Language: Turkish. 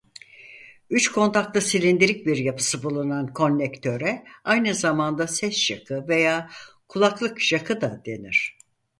Üç kontaklı silindirik bir yapısı bulunan konnektöre aynı zamanda ses jakı veya Kulaklık jakı'da denir.